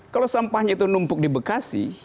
kalau sampahnya itu numpuk di bekasi